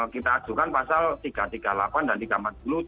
kita ajukan pasal tiga ratus tiga puluh delapan dan tiga ratus empat puluh